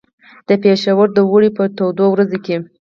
د پېښور د اوړي په تودو ورځو کې.